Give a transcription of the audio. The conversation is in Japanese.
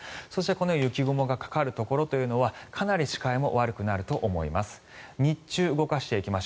雪雲のかかるところはかなり視界も悪くなると思います。